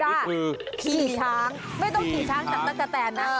อันนี้คือขี่ช้างไม่ต้องขี่ช้างจับตั้งแต่แต่นะ